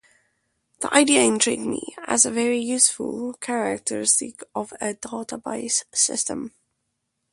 The idea intrigued me as a very useful characteristic of a database system.